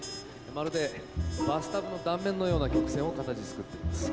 まるでバスタブの断面のような曲線を形作っています。